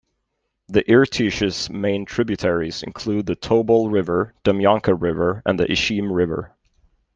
The Irtysh's main tributaries include the Tobol River, Demyanka River and the Ishim River.